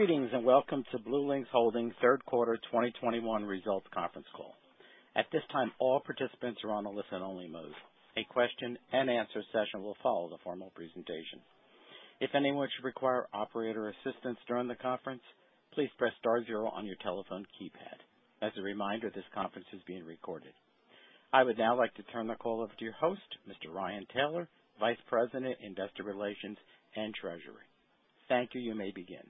Greetings, and welcome to BlueLinx Holdings Third Quarter 2021 Results Conference Call. At this time, all participants are in listen-only mode. A question-and-answer session will follow the formal presentation. If anyone should require operator assistance during the conference, please press star zero on your telephone keypad. As a reminder, this conference is being recorded. I would now like to turn the call over to your host, Mr. Ryan Taylor, Vice President, Investor Relations and Treasury. Thank you. You may begin.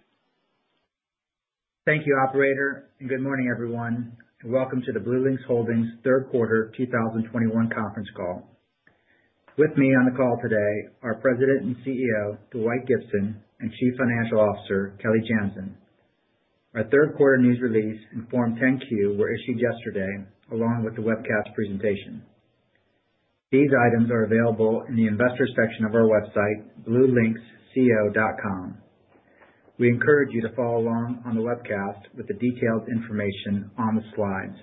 Thank you operator. Good morning everyone, and welcome to the BlueLinx Holdings Third Quarter 2021 Conference Call. With me on the call today, our President and CEO, Dwight Gibson, and Chief Financial Officer, Kelly Janzen. Our third quarter news release and Form 10-Q were issued yesterday along with the webcast presentation. These items are available in the Investor section of our website, bluelinxco.com. We encourage you to follow along on the webcast with the detailed information on the slides.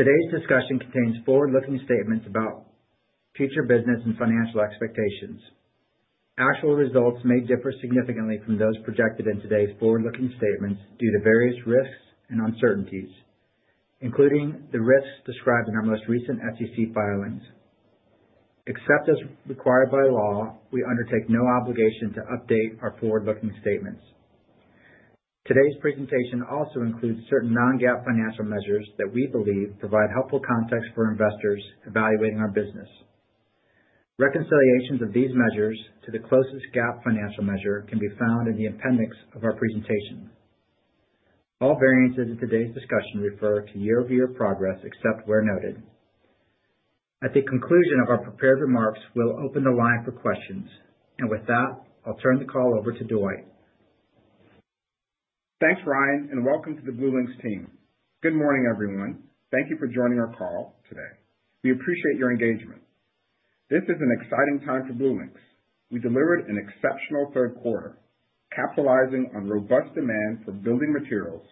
Today's discussion contains forward-looking statements about future business and financial expectations. Actual results may differ significantly from those projected in today's forward-looking statements due to various risks and uncertainties, including the risks described in our most recent SEC filings. Except as required by law, we undertake no obligation to update our forward-looking statements. Today's presentation also includes certain non-GAAP financial measures that we believe provide helpful context for investors evaluating our business. Reconciliations of these measures to the closest GAAP financial measure can be found in the appendix of our presentation. All variances in today's discussion refer to year-over-year progress, except where noted. At the conclusion of our prepared remarks, we'll open the line for questions. With that, I'll turn the call over to Dwight. Thanks, Ryan, and welcome to the BlueLinx team. Good morning, everyone. Thank you for joining our call today. We appreciate your engagement. This is an exciting time for BlueLinx. We delivered an exceptional third quarter, capitalizing on robust demand for building materials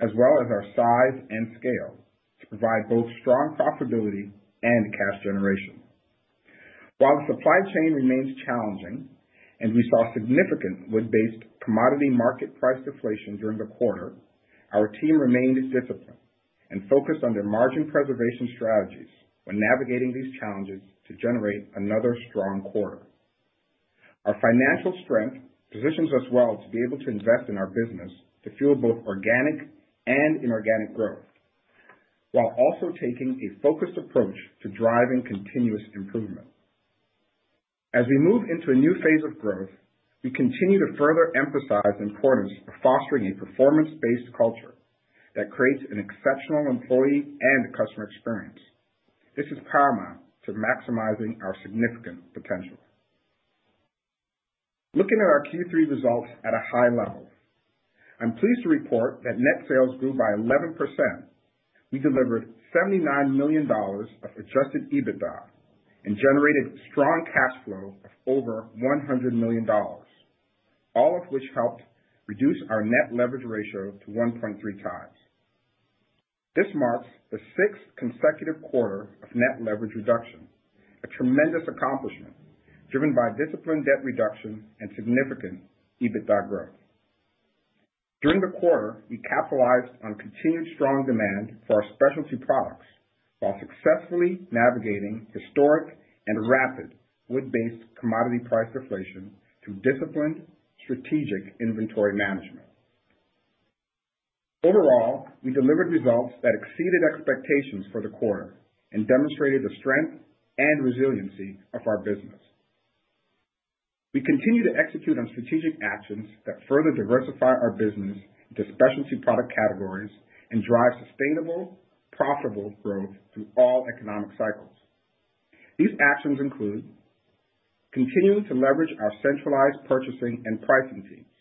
as well as our size and scale to provide both strong profitability and cash generation. While the supply chain remains challenging and we saw significant wood-based commodity market price deflation during the quarter, our team remained disciplined and focused on their margin preservation strategies when navigating these challenges to generate another strong quarter. Our financial strength positions us well to be able to invest in our business to fuel both organic and inorganic growth, while also taking a focused approach to driving continuous improvement. As we move into a new phase of growth, we continue to further emphasize the importance of fostering a performance-based culture that creates an exceptional employee and customer experience. This is paramount to maximizing our significant potential. Looking at our Q3 results at a high level, I'm pleased to report that net sales grew by 11%. We delivered $79 million of Adjusted EBITDA and generated strong cash flow of over $100 million, all of which helped reduce our net leverage ratio to 1.3 times. This marks the sixth consecutive quarter of net leverage reduction, a tremendous accomplishment driven by disciplined debt reduction and significant EBITDA growth. During the quarter, we capitalized on continued strong demand for our specialty products while successfully navigating historic and rapid wood-based commodity price deflation through disciplined strategic inventory management. Overall, we delivered results that exceeded expectations for the quarter and demonstrated the strength and resiliency of our business. We continue to execute on strategic actions that further diversify our business into specialty product categories and drive sustainable, profitable growth through all economic cycles. These actions include continuing to leverage our centralized purchasing and pricing teams,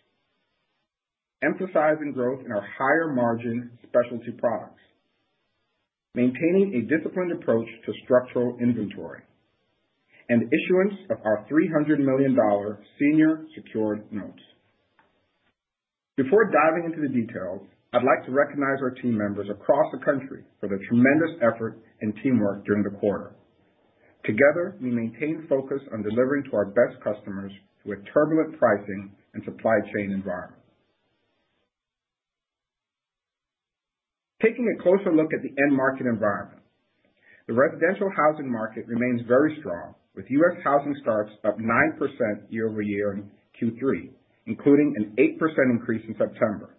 emphasizing growth in our higher margin specialty products, maintaining a disciplined approach to structural inventory, and issuance of our $300 million senior secured notes. Before diving into the details, I'd like to recognize our team members across the country for their tremendous effort and teamwork during the quarter. Together, we maintained focus on delivering to our best customers through a turbulent pricing and supply chain environment. Taking a closer look at the end market environment. The residential housing market remains very strong, with U.S. housing starts up 9% year-over-year in Q3, including an 8% increase in September.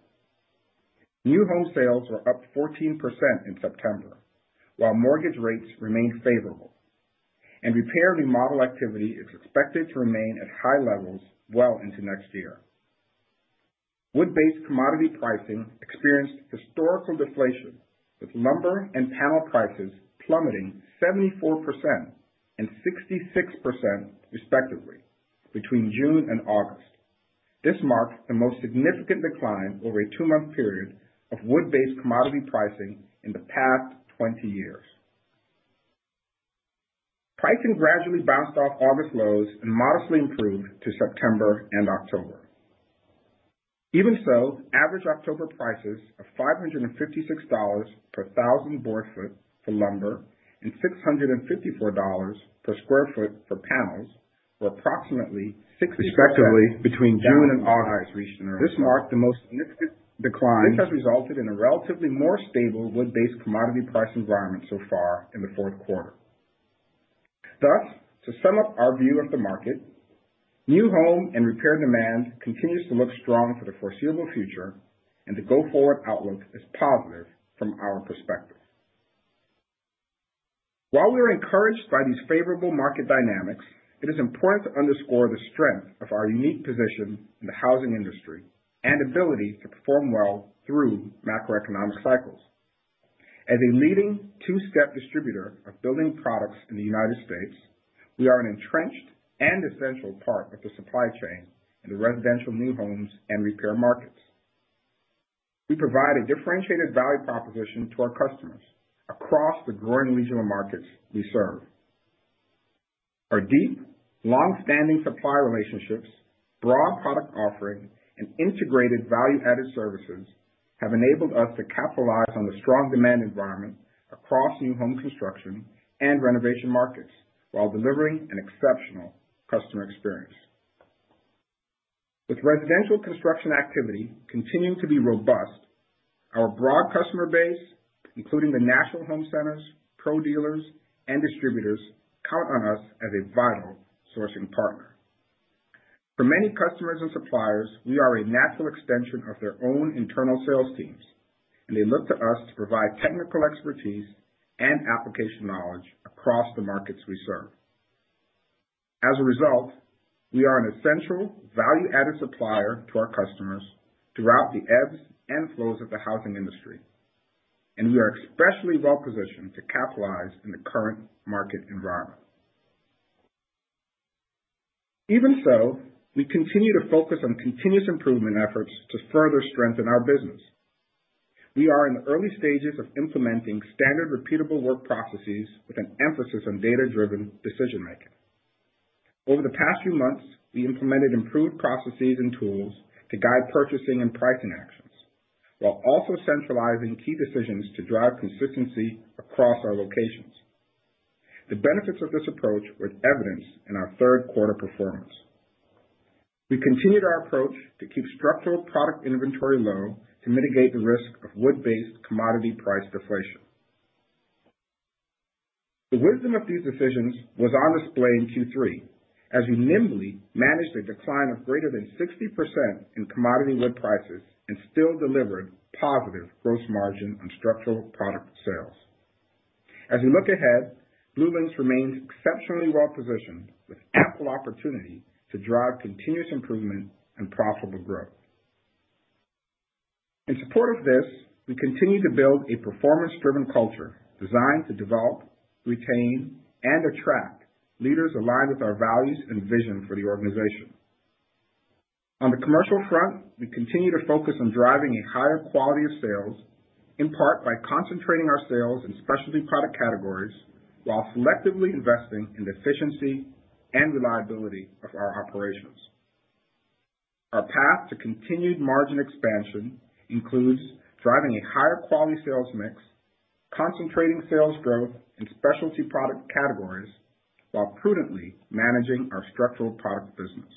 New home sales were up 14% in September, while mortgage rates remained favourable. Repair remodel activity is expected to remain at high levels well into next year. Wood-based commodity pricing experienced historical deflation, with lumber and panel prices plummeting 74% and 66% respectively between June and August. This marks the most significant decline over a two-month period of wood-based commodity pricing in the past 20 years. Pricing gradually bounced off August lows and modestly improved to September and October. Even so, average October prices of $556 per thousand board feet for lumber and $654 per square foot for panels were approximately 60% down from highs reached in early summer. This has resulted in a relatively more stable wood-based commodity price environment so far in the fourth quarter. Thus, to sum up our view of the market, new home and repair demand continues to look strong for the foreseeable future, and the go-forward outlook is positive from our perspective. While we are encouraged by these favourable market dynamics, it is important to underscore the strength of our unique position in the housing industry and ability to perform well through macroeconomic cycles. As a leading two-step distributor of building products in the United States, we are an entrenched and essential part of the supply chain in the residential new homes and repair markets. We provide a differentiated value proposition to our customers across the growing regional markets we serve. Our deep, long-standing supplier relationships, broad product offering, and integrated value-added services have enabled us to capitalize on the strong demand environment across new home construction and renovation markets while delivering an exceptional customer experience. With residential construction activity continuing to be robust, our broad customer base, including the national home centers, pro dealers, and distributors, count on us as a vital sourcing partner. For many customers and suppliers, we are a natural extension of their own internal sales teams, and they look to us to provide technical expertise and application knowledge across the markets we serve. As a result, we are an essential value-added supplier to our customers throughout the ebbs and flows of the housing industry, and we are especially well-positioned to capitalize in the current market environment. Even so, we continue to focus on continuous improvement efforts to further strengthen our business. We are in the early stages of implementing standard repeatable work processes with an emphasis on data-driven decision-making. Over the past few months, we implemented improved processes and tools to guide purchasing and pricing actions while also centralizing key decisions to drive consistency across our locations. The benefits of this approach were evidenced in our third quarter performance. We continued our approach to keep structural product inventory low to mitigate the risk of wood-based commodity price deflation. The wisdom of these decisions was on display in Q3 as we nimbly managed a decline of greater than 60% in commodity wood prices and still delivered positive gross margin on structural product sales. As we look ahead, BlueLinx remains exceptionally well-positioned with ample opportunity to drive continuous improvement and profitable growth. In support of this, we continue to build a performance-driven culture designed to develop, retain, and attract leaders aligned with our values and vision for the organization. On the commercial front, we continue to focus on driving a higher quality of sales, in part by concentrating our sales in specialty product categories while selectively investing in the efficiency and reliability of our operations. Our path to continued margin expansion includes driving a higher quality sales mix, concentrating sales growth in specialty product categories, while prudently managing our structural product business.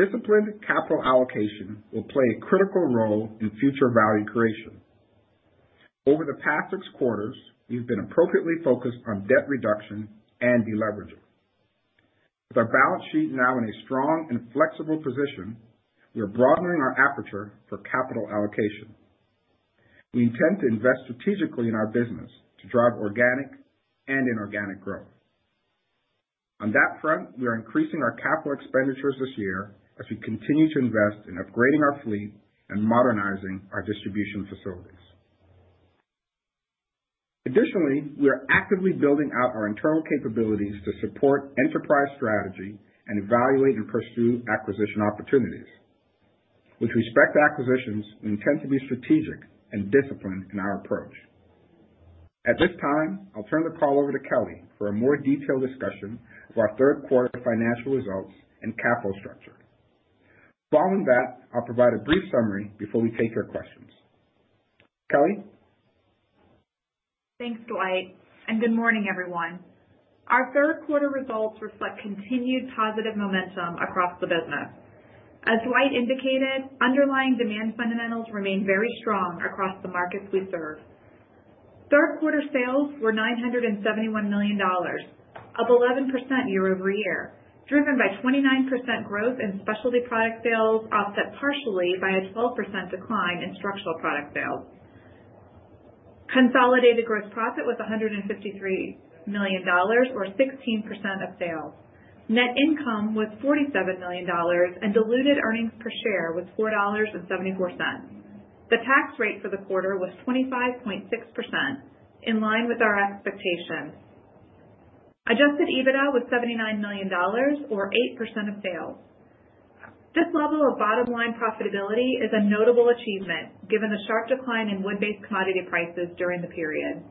Disciplined capital allocation will play a critical role in future value creation. Over the past six quarters, we've been appropriately focused on debt reduction and de-leveraging. With our balance sheet now in a strong and flexible position, we are broadening our aperture for capital allocation. We intend to invest strategically in our business to drive organic and inorganic growth. On that front, we are increasing our capital expenditures this year as we continue to invest in upgrading our fleet and modernizing our distribution facilities. Additionally, we are actively building out our internal capabilities to support enterprise strategy and evaluate and pursue acquisition opportunities. With respect to acquisitions, we intend to be strategic and disciplined in our approach. At this time, I'll turn the call over to Kelly for a more detailed discussion of our third quarter financial results and capital structure. Following that, I'll provide a brief summary before we take your questions. Kelly? Thanks, Dwight, and good morning, everyone. Our third quarter results reflect continued positive momentum across the business. As Dwight indicated, underlying demand fundamentals remain very strong across the markets we serve. Third quarter sales were $971 million, up 11% year-over-year, driven by 29% growth in specialty product sales, offset partially by a 12% decline in structural product sales. Consolidated gross profit was $153 million or 16% of sales. Net income was $47 million and diluted Earnings Per Share was $4.74. The tax rate for the quarter was 25.6%, in line with our expectations. Adjusted EBITDA was $79 million or 8% of sales. This level of bottom-line profitability is a notable achievement given the sharp decline in wood-based commodity prices during the period.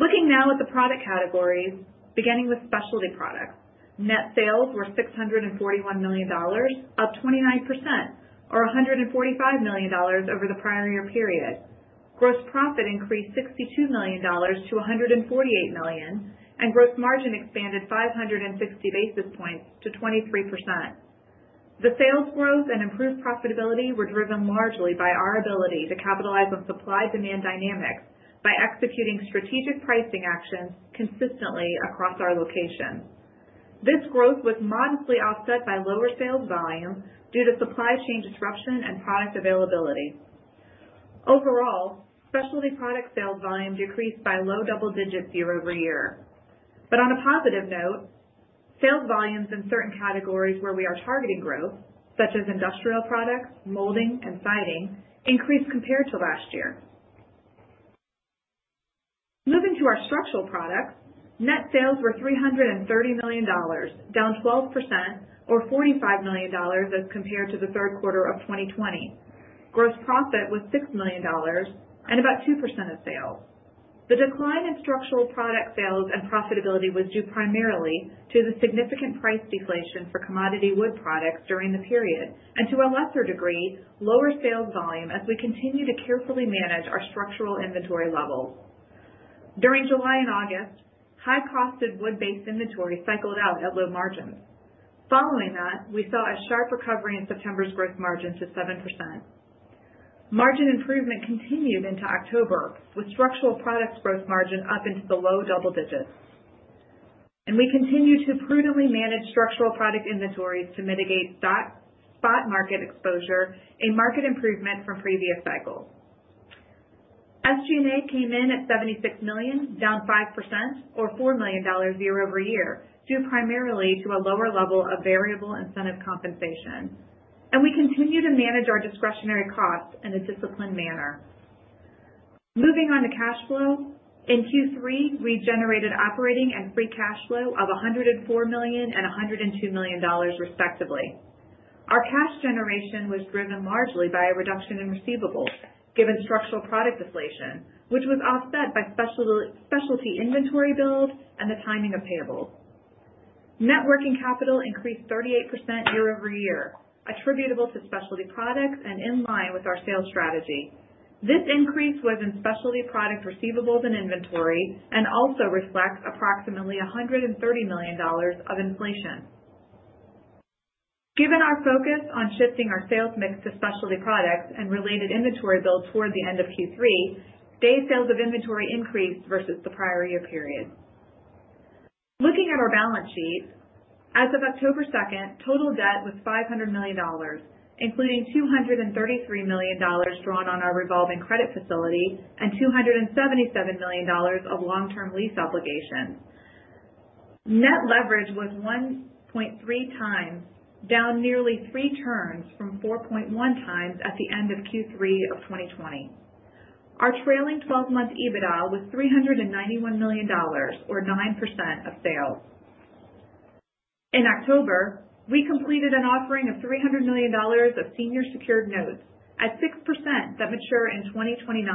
Looking now at the product categories, beginning with specialty products. Net sales were $641 million, up 29%, or $145 million over the prior year period. Gross profit increased $62 million to $148 million, and gross margin expanded 560 basis points to 23%. The sales growth and improved profitability were driven largely by our ability to capitalize on supply-demand dynamics by executing strategic pricing actions consistently across our locations. This growth was modestly offset by lower sales volume due to supply chain disruption and product availability. Overall, specialty product sales volume decreased by low double digits year-over-year. On a positive note, sales volumes in certain categories where we are targeting growth, such as industrial products, molding, and siding, increased compared to last year. Moving to our structural products, net sales were $330 million, down 12% or $45 million as compared to the third quarter of 2020. Gross profit was $6 million and about 2% of sales. The decline in structural product sales and profitability was due primarily to the significant price deflation for commodity wood products during the period, and to a lesser degree, lower sales volume as we continue to carefully manage our structural inventory levels. During July and August, high-cost wood-based inventory cycled out at low margins. Following that, we saw a sharp recovery in September's gross margin to 7%. Margin improvement continued into October with structural products growth margin up into the low double digits. We continue to prudently manage structural product inventories to mitigate spot market exposure, a market improvement from previous cycles. SG&A came in at $76 million, down 5% or $4 million year-over-year, due primarily to a lower level of variable incentive compensation. We continue to manage our discretionary costs in a disciplined manner. Moving on to cash flow. In Q3, we generated operating and free cash flow of $104 million and $102 million, respectively. Our cash generation was driven largely by a reduction in receivables given structural product deflation, which was offset by specialty inventory build and the timing of payables. Net working capital increased 38% year-over-year, attributable to specialty products and in line with our sales strategy. This increase was in specialty products receivables and inventory, and also reflects approximately $130 million of inflation. Given our focus on shifting our sales mix to specialty products and related inventory builds toward the end of Q3, days sales of inventory increased versus the prior year period. Looking at our balance sheet, as of October second, total debt was $500 million, including $233 million drawn on our revolving credit facility and $277 million of long-term lease obligations. Net leverage was 1.3x, down nearly three turns from 4.1x at the end of Q3 of 2020. Our trailing twelve-month EBITDA was $391 million or 9% of sales. In October, we completed an offering of $300 million of senior secured notes at 6% that mature in 2029.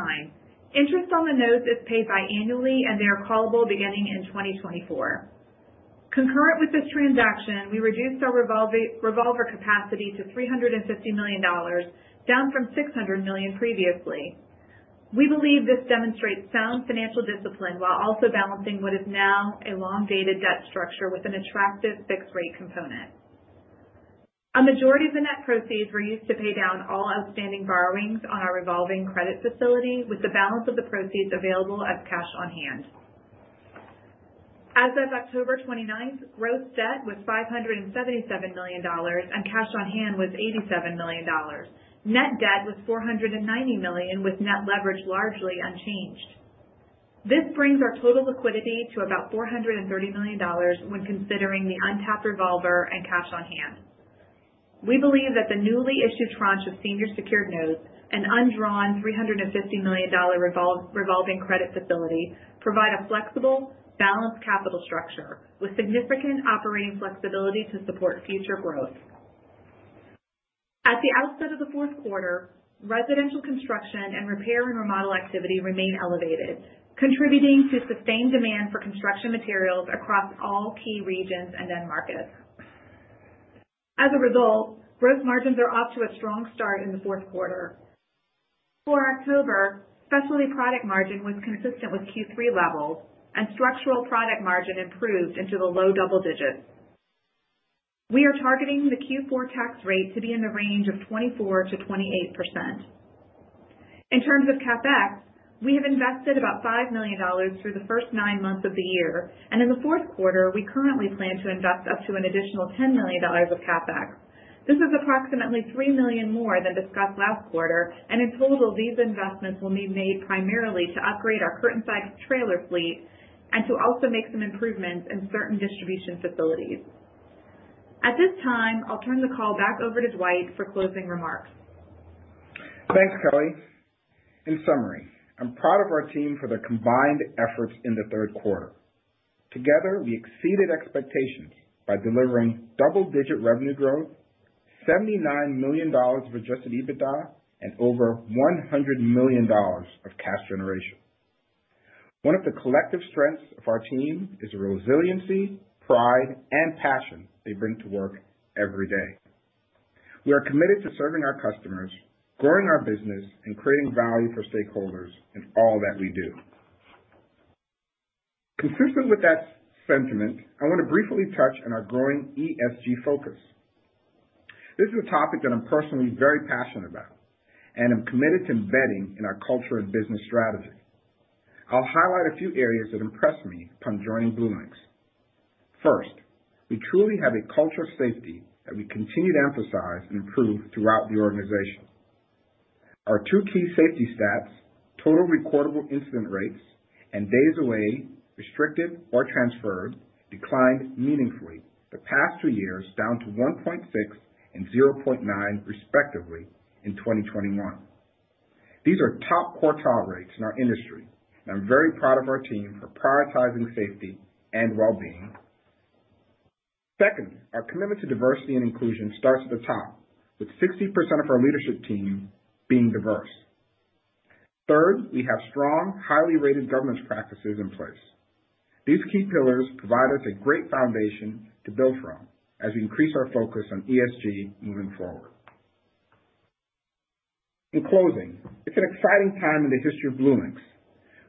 Interest on the notes is paid bi-annually, and they are callable beginning in 2024. Concurrent with this transaction, we reduced our revolver capacity to $350 million, down from $600 million previously. We believe this demonstrates sound financial discipline while also balancing what is now a long-dated debt structure with an attractive fixed rate component. A majority of the net proceeds were used to pay down all outstanding borrowings on our revolving credit facility with the balance of the proceeds available as cash on hand. As of October 29, gross debt was $577 million, and cash on hand was $87 million. Net debt was $490 million, with net leverage largely unchanged. This brings our total liquidity to about $430 million when considering the untapped revolver and cash on hand. We believe that the newly issued tranche of senior secured notes and undrawn $350 million revolving credit facility provide a flexible, balanced capital structure with significant operating flexibility to support future growth. At the outset of the fourth quarter, residential construction and repair and remodel activity remain elevated, contributing to sustained demand for construction materials across all key regions and end markets. As a result, growth margins are off to a strong start in the fourth quarter. For October, specialty product margin was consistent with Q3 levels and structural product margin improved into the low double digits. We are targeting the Q4 tax rate to be in the range of 24%-28%. In terms of CapEx, we have invested about $5 million through the first nine months of the year. In the fourth quarter, we currently plan to invest up to an additional $10 million of CapEx. This is approximately $3 million more than discussed last quarter. In total, these investments will be made primarily to upgrade our current size trailer fleet and to also make some improvements in certain distribution facilities. At this time, I'll turn the call back over to Dwight for closing remarks. Thanks, Kelly. In summary, I'm proud of our team for their combined efforts in the third quarter. Together, we exceeded expectations by delivering double-digit revenue growth, $79 million of Adjusted EBITDA, and over $100 million of cash generation. One of the collective strengths of our team is the resiliency, pride, and passion they bring to work every day. We are committed to serving our customers, growing our business, and creating value for stakeholders in all that we do. Consistent with that sentiment, I want to briefly touch on our growing ESG focus. This is a topic that I'm personally very passionate about, and I'm committed to embedding in our culture and business strategy. I'll highlight a few areas that impressed me upon joining BlueLinx. First, we truly have a culture of safety that we continue to emphasize and improve throughout the organization. Our two key safety stats, Total Recordable Incident Rates, and Days Away, Restricted, or Transferred, declined meaningfully the past two years down to 1.6 and 0.9 respectively in 2021. These are top quartile rates in our industry, and I'm very proud of our team for prioritizing safety and well-being. Second, our commitment to diversity and inclusion starts at the top, with 60% of our leadership team being diverse. Third, we have strong, highly rated governance practices in place. These key pillars provide us a great foundation to build from as we increase our focus on ESG moving forward. In closing, it's an exciting time in the history of BlueLinx.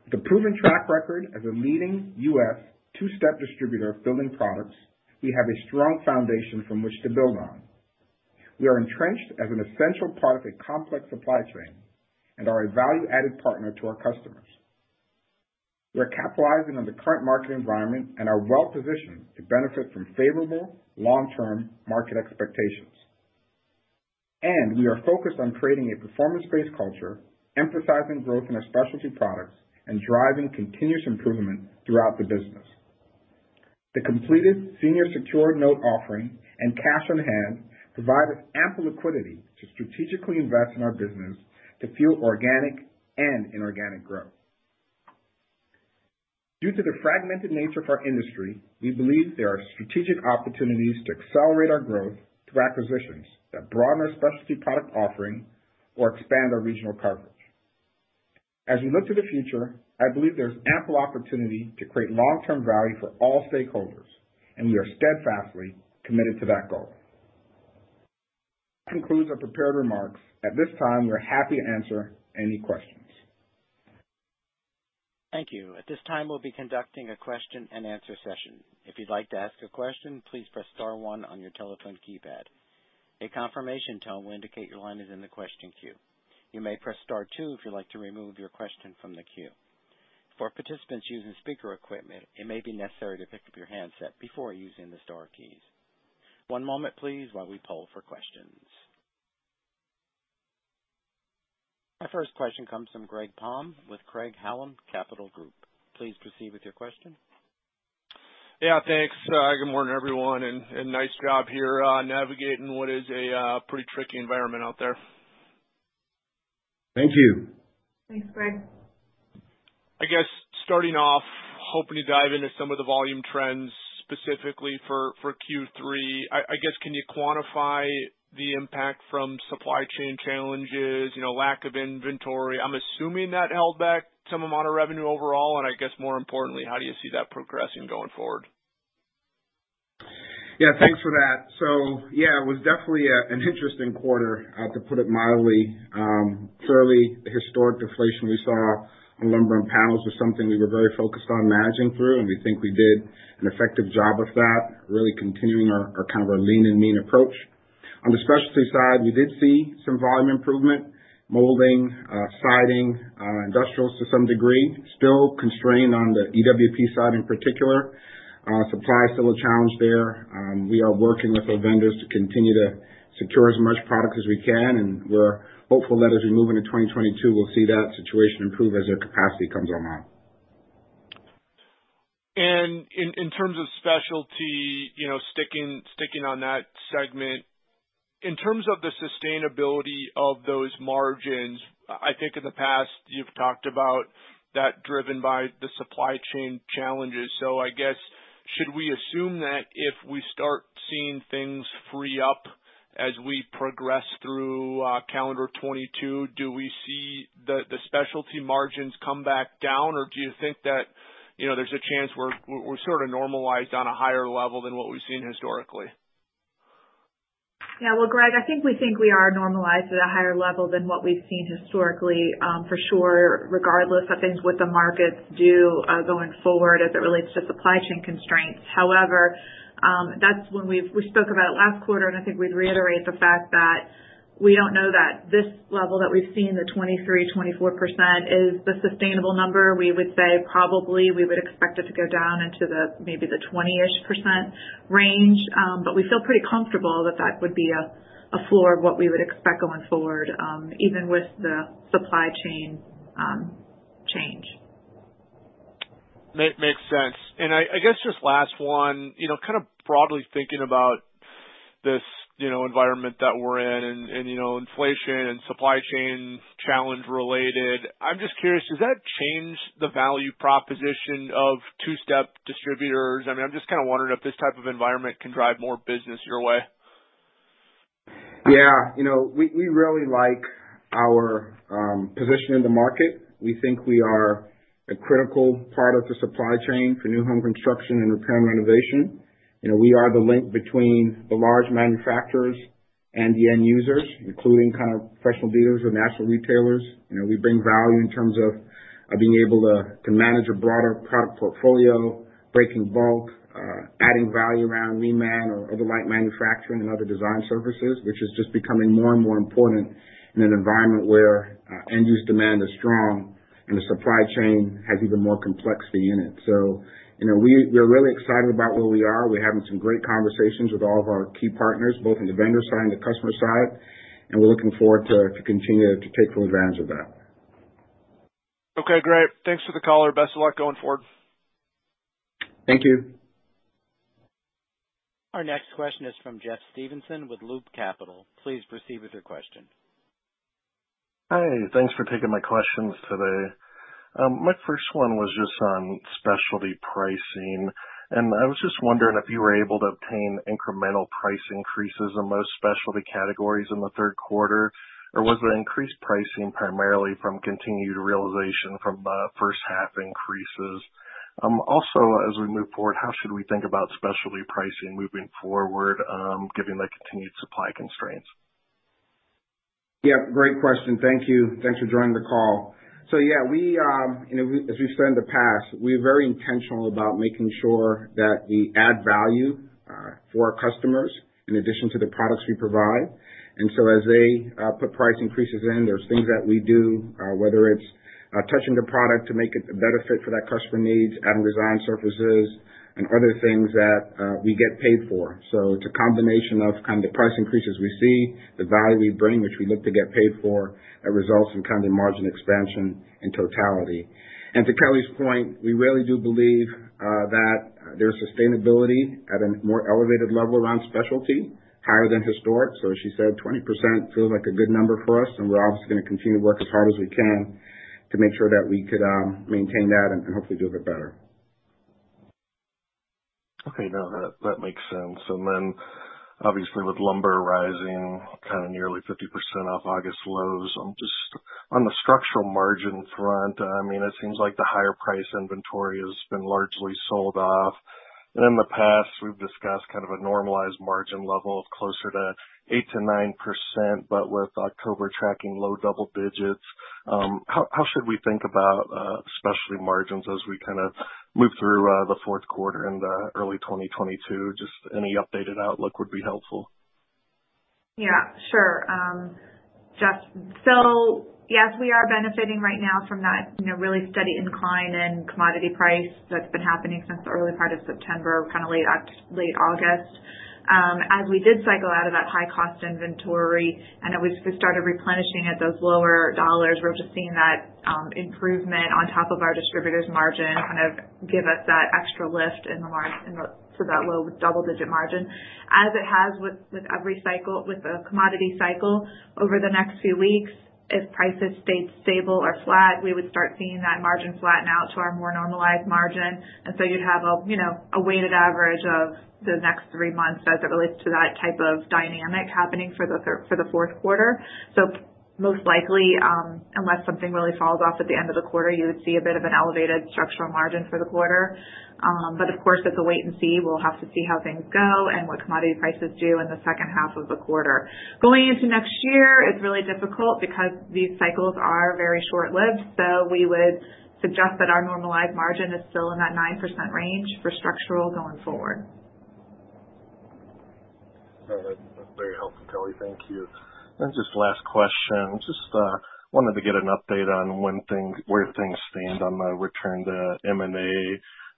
With a proven track record as a leading U.S. two-step distributor of building products, we have a strong foundation from which to build on. We are entrenched as an essential product in a complex supply chain and are a value-added partner to our customers. We are capitalizing on the current market environment and are well positioned to benefit from favorable long-term market expectations. We are focused on creating a performance-based culture, emphasizing growth in our specialty products, and driving continuous improvement throughout the business. The completed senior secured notes offering and cash on hand provide us ample liquidity to strategically invest in our business to fuel organic and inorganic growth. Due to the fragmented nature of our industry, we believe there are strategic opportunities to accelerate our growth through acquisitions that broaden our specialty product offering or expand our regional coverage. As we look to the future, I believe there's ample opportunity to create long-term value for all stakeholders, and we are steadfastly committed to that goal. That concludes our prepared remarks. At this time, we're happy to answer any questions. Thank you. At this time, we'll be conducting a question-and-answer session. If you'd like to ask a question, please press star one on your telephone keypad. A confirmation tone will indicate your line is in the question queue. You may press star two if you'd like to remove your question from the queue. For participants using speaker equipment, it may be necessary to pick up your handset before using the star keys. One moment, please, while we poll for questions. Our first question comes from Greg Palm with Craig-Hallum Capital Group. Please proceed with your question. Yeah, thanks. Good morning, everyone, and nice job here, navigating what is a pretty tricky environment out there. Thank you. Thanks, Greg. I guess starting off, hoping to dive into some of the volume trends specifically for Q3. I guess, can you quantify the impact from supply chain challenges, you know, lack of inventory? I'm assuming that held back some amount of revenue overall, and I guess more importantly, how do you see that progressing going forward? Yeah, thanks for that. Yeah, it was definitely an interesting quarter to put it mildly. Clearly the historic deflation we saw on lumber and panels was something we were very focused on managing through, and we think we did an effective job of that, really continuing our lean and mean approach. On the specialty side, we did see some volume improvement, molding, siding, industrials to some degree, still constrained on the EWP side in particular. Supply is still a challenge there. We are working with our vendors to continue to secure as much product as we can, and we're hopeful that as we move into 2022, we'll see that situation improve as their capacity comes online. In terms of specialty, you know, sticking on that segment, in terms of the sustainability of those margins, I think in the past you've talked about that driven by the supply chain challenges. I guess, should we assume that if we start seeing things free up as we progress through calendar 2022, do we see the specialty margins come back down? Or do you think that, you know, there's a chance we're sort of normalized on a higher level than what we've seen historically? Yeah. Well, Greg, I think we are normalized at a higher level than what we've seen historically, for sure, regardless of what the markets do going forward as it relates to supply chain constraints. However, we spoke about it last quarter, and I think we'd reiterate the fact that we don't know that this level that we've seen, the 23%-24% is the sustainable number. We would say probably we would expect it to go down into maybe the 20-ish% range. We feel pretty comfortable that that would be a floor of what we would expect going forward, even with the supply chain change. Makes sense. I guess just last one, you know, kind of broadly thinking about this, you know, environment that we're in and, you know, inflation and supply chain challenges related. I'm just curious, does that change the value proposition of two-step distributors? I mean, I'm just kinda wondering if this type of environment can drive more business your way. Yeah. You know, we really like our position in the market. We think we are a critical part of the supply chain for new home construction and repair and renovation. You know, we are the link between the large manufacturers and the end users, including kind of professional dealers or national retailers. You know, we bring value in terms of being able to manage a broader product portfolio, breaking bulk, adding value around VAM or other light manufacturing and other design services, which is just becoming more and more important in an environment where end-use demand is strong and the supply chain has even more complexity in it. You know, we're really excited about where we are. We're having some great conversations with all of our key partners, both on the vendor side and the customer side, and we're looking forward to continue to take full advantage of that. Okay, great. Thanks for the color. Best of luck going forward. Thank you. Our next question is from Jeffrey Stevenson with Loop Capital. Please proceed with your question. Hi, thanks for taking my questions today. My first one was just on specialty pricing, and I was just wondering if you were able to obtain incremental price increases in most specialty categories in the third quarter, or was there increased pricing primarily from continued realization from first half increases? Also as we move forward, how should we think about specialty pricing moving forward, given the continued supply constraints? Yeah, great question. Thank you. Thanks for joining the call. So yeah, we, you know, as we've said in the past, we're very intentional about making sure that we add value, for our customers in addition to the products we provide. As they put price increases in, there's things that we do, whether it's touching the product to make it better fit for that customer needs, adding design surfaces and other things that we get paid for. It's a combination of kind of the price increases we see, the value we bring, which we look to get paid for, that results in kind of margin expansion in totality. To Kelly's point, we really do believe that there's sustainability at a more elevated level around specialty, higher than historic. So as she said, 20% feels like a good number for us, and we're obviously gonna continue to work as hard as we can to make sure that we could maintain that and hopefully do a bit better. Okay. No, that makes sense. Then obviously with lumber rising kind of nearly 50% off August lows, just on the structural margin front, I mean, it seems like the higher price inventory has been largely sold off. In the past we've discussed kind of a normalized margin level closer to 8%-9%, but with October tracking low double digits, how should we think about specialty margins as we kind of move through the fourth quarter into early 2022? Just any updated outlook would be helpful. Yeah, sure, Jeff. Yes, we are benefiting right now from that, you know, really steady incline in commodity price that's been happening since the early part of September, late August. As we did cycle out of that high cost inventory, and as we started replenishing at those lower dollars, we're just seeing that improvement on top of our distributor's margin kind of give us that extra lift to that low double-digit margin. As it has with every cycle, with the commodity cycle, over the next few weeks, if prices stay stable or flat, we would start seeing that margin flatten out to our more normalized margin. You'd have a, you know, a weighted average of the next three months as it relates to that type of dynamic happening for the fourth quarter. Most likely, unless something really falls off at the end of the quarter, you would see a bit of an elevated Structural margin for the quarter. But of course it's a wait and see. We'll have to see how things go and what commodity prices do in the second half of the quarter. Going into next year is really difficult because these cycles are very short-lived. We would suggest that our normalized margin is still in that 9% range for Structural going forward. All right. That's very helpful, Kelly. Thank you. Just last question. Just wanted to get an update on where things stand on the return to M&A.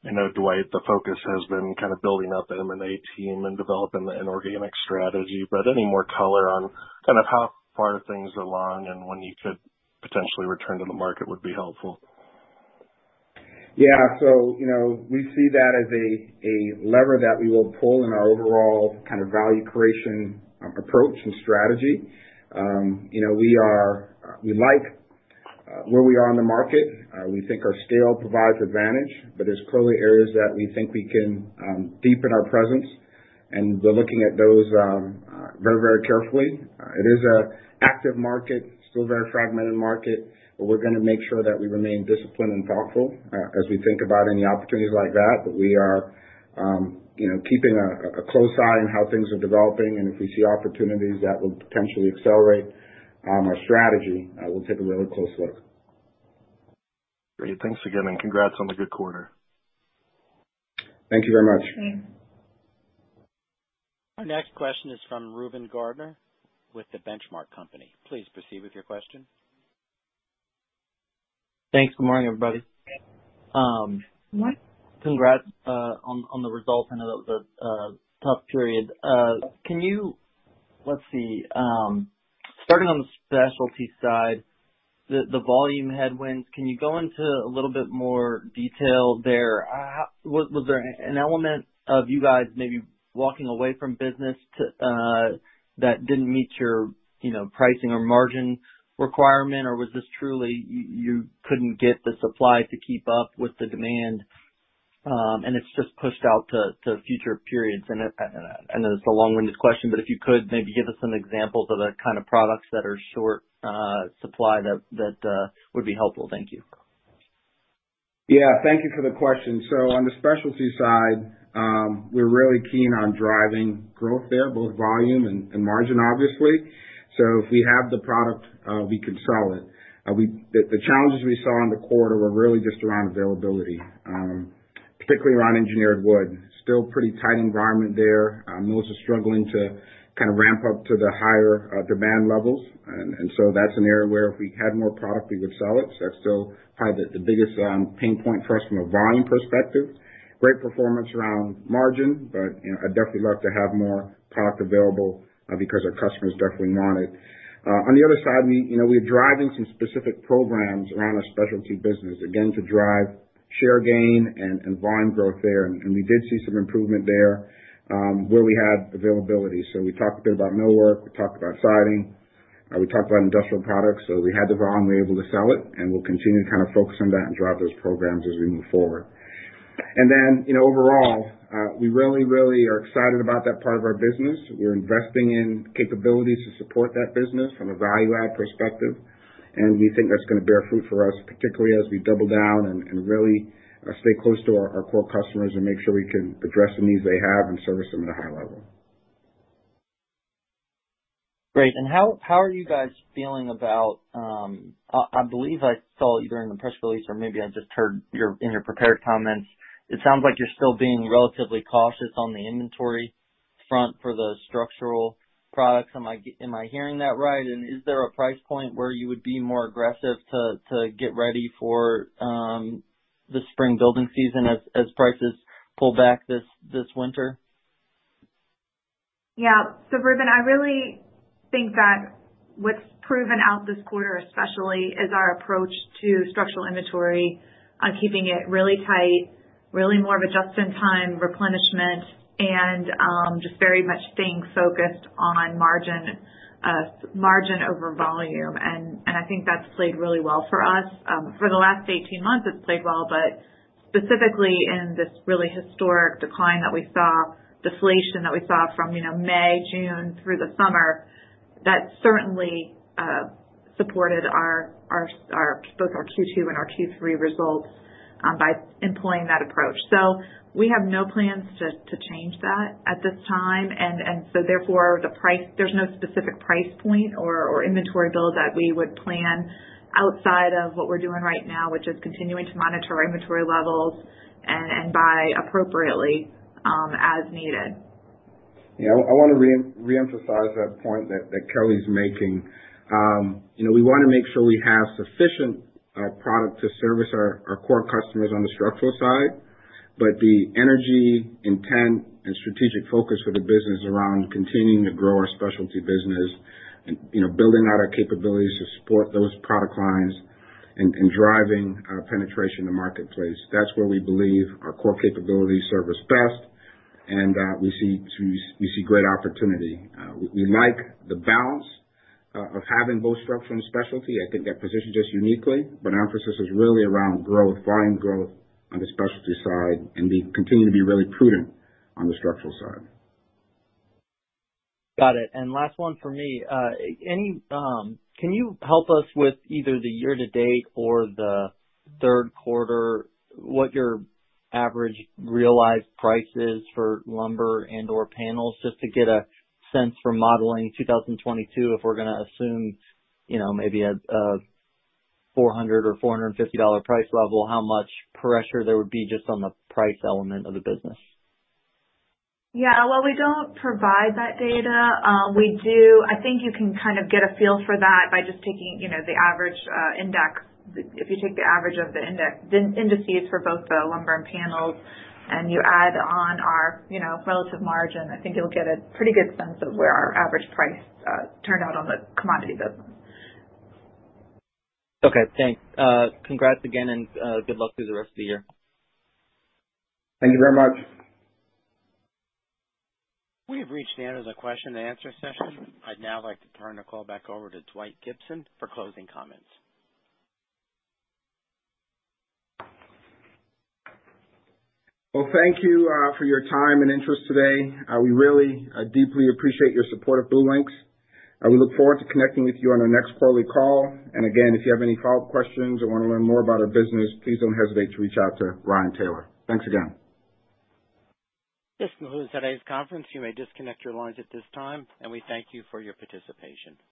I know, Dwight, the focus has been kind of building out the M&A team and developing the inorganic strategy, but any more color on kind of how far things along and when you could potentially return to the market would be helpful. Yeah. You know, we see that as a lever that we will pull in our overall kind of value creation approach and strategy. You know, we like where we are in the market. We think our scale provides advantage, but there's clearly areas that we think we can deepen our presence, and we're looking at those very, very carefully. It is an active market, still very fragmented market, but we're gonna make sure that we remain disciplined and thoughtful as we think about any opportunities like that. We are, you know, keeping a close eye on how things are developing, and if we see opportunities that will potentially accelerate our strategy, we'll take a really close look. Great. Thanks again, and congrats on the good quarter. Thank you very much. Mm-hmm. Our next question is from Reuben Garner with The Benchmark Company. Please proceed with your question. Thanks. Good morning, everybody. Good morning. Congrats on the results. I know that was a tough period. Can you-Let's see. Starting on the specialty side, the volume headwinds, can you go into a little bit more detail there? Was there an element of you guys maybe walking away from business that didn't meet your, you know, pricing or margin requirement? Was this truly you couldn't get the supply to keep up with the demand, and it's just pushed out to future periods? I know it's a long-winded question, but if you could maybe give us some examples of the kind of products that are short supply, that would be helpful. Thank you. Yeah. Thank you for the question. On the specialty side, we're really keen on driving growth there, both volume and margin obviously. If we have the product, we can sell it. The challenges we saw in the quarter were really just around availability, particularly around engineered wood. Still pretty tight environment there. Mills are struggling to kind of ramp up to the higher demand levels. That's an area where if we had more product, we would sell it. That's still probably the biggest pain point for us from a volume perspective. Great performance around margin, but you know, I'd definitely love to have more product available because our customers definitely want it. On the other side, we, you know, we're driving some specific programs around our specialty business, again, to drive share gain and volume growth there. We did see some improvement there, where we had availability. We talked a bit about millwork, we talked about siding, we talked about industrial products. We had the volume, we were able to sell it, and we'll continue to kind of focus on that and drive those programs as we move forward. You know, overall, we really are excited about that part of our business. We're investing in capabilities to support that business from a value add perspective, and we think that's gonna bear fruit for us, particularly as we double down and really stay close to our core customers and make sure we can address the needs they have and service them at a high level. Great. How are you guys feeling about? I believe I saw it either in the press release or maybe I just heard it in your prepared comments. It sounds like you're still being relatively cautious on the inventory front for the structural products. Am I hearing that right? Is there a price point where you would be more aggressive to get ready for the spring building season as prices pull back this winter? Yeah. Reuben, I really think that what's proven out this quarter especially is our approach to structural inventory on keeping it really tight, really more of a just in time replenishment and just very much staying focused on margin over volume. I think that's played really well for us. For the last 18 months it's played well, but specifically in this really historic decline that we saw, deflation that we saw from, you know, May, June through the summer, that certainly supported both our Q2 and our Q3 results by employing that approach. We have no plans to change that at this time. The price, there's no specific price point or inventory build that we would plan outside of what we're doing right now, which is continuing to monitor inventory levels and buy appropriately, as needed. Yeah. I wanna reemphasize that point that Kelly's making. You know, we wanna make sure we have sufficient product to service our core customers on the structural side. The energy, intent, and strategic focus for the business around continuing to grow our specialty business and, you know, building out our capabilities to support those product lines and driving penetration in the marketplace, that's where we believe our core capabilities serve us best and we see great opportunity. We like the balance of having both structural and specialty. I think that positions us uniquely. Emphasis is really around growth, volume growth on the specialty side, and we continue to be really prudent on the structural side. Got it. Last one from me. Can you help us with either the year-to-date or the third quarter, what your average realized price is for lumber and/or panels, just to get a sense for modeling 2022, if we're gonna assume, you know, maybe a $400 or $450 price level, how much pressure there would be just on the price element of the business? Yeah. While we don't provide that data, I think you can kind of get a feel for that by just taking, you know, the average index. If you take the average of the indices for both the lumber and panels, and you add on our, you know, relative margin, I think you'll get a pretty good sense of where our average price turned out on the commodity business. Okay. Thanks. Congrats again and good luck through the rest of the year. Thank you very much. We have reached the end of the question-and-answer session. I'd now like to turn the call back over to Dwight Gibson for closing comments. Well, thank you for your time and interest today. We really deeply appreciate your support of BlueLinx. We look forward to connecting with you on our next quarterly call. Again, if you have any follow-up questions or wanna learn more about our business, please don't hesitate to reach out to Ryan Taylor. Thanks again. This concludes today's conference. You may disconnect your lines at this time, and we thank you for your participation.